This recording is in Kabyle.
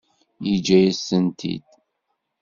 Yeǧǧa-yas-tent-id.